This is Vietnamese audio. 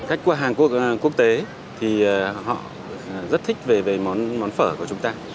khách qua hàn quốc quốc tế thì họ rất thích về món phở của chúng ta